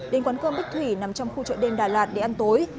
đến quán cơm bích thủy nằm trong khu chợ đêm đà lạt để ăn tối